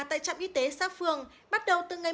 tại trạm y tế xa phương bắt đầu từ ngày